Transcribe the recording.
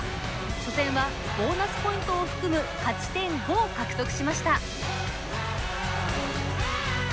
初戦はボーナスポイントを含む勝ち点５を獲得しました。